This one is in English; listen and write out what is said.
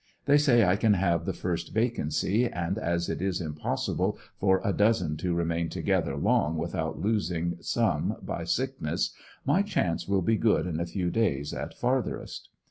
They say I can have the first vacancy and as it is impossible for a dozen to remain together long without losing some by sick ness, my chances will be good in a few days at fartherest.